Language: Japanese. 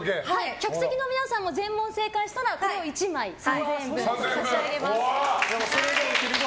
客席の皆さんも全問正解したらこれを１枚、３０００円分差し上げます。